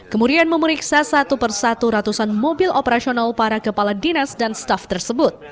kemudian memeriksa satu persatu ratusan mobil operasional para kepala dinas dan staff tersebut